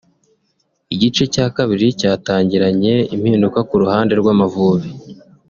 Igice cya kabiri cyatangiranye impinduka ku ruhande rw’Amavubi